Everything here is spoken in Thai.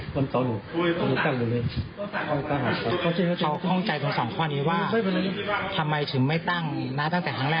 เขาเข้าใจถึงสองข้อนี้ว่าทำไมถึงไม่ตั้งนะตั้งแต่ครั้งแรก